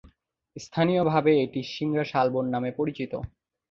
স্থানীয়ভাবে এটি সিংড়া শালবন নামে পরিচিত।